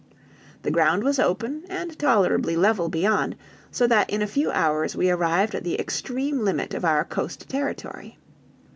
The ground was open and tolerably level beyond, so that in a few hours we arrived at the extreme limit of our coast territory.